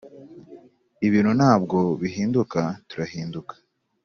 "ibintu ntabwo bihinduka; turahinduka ”